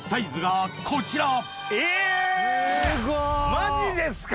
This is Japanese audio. マジですか！